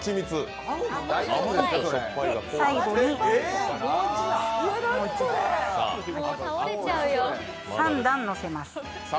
最後に３段乗せます。